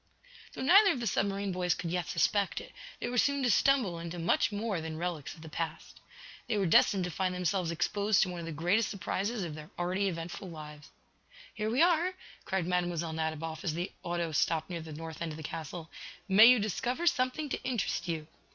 Though neither of the submarine boys could yet suspect it, they were soon to stumble into much more than relics of the past. They were destined to find themselves exposed to one of the greatest surprises of their already eventful lives. "Here we are," cried Mlle. Nadiboff, as the auto stopped near the north end of the castle. "May you discover something to interest you!"